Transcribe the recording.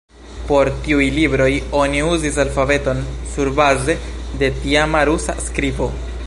Por tiuj libroj oni uzis alfabeton surbaze de tiama rusa skribo.